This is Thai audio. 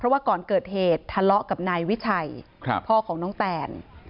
ว่าก่อนเกิดเหตุทะเลาะกับนายวิชัยพ่อของน้องแตน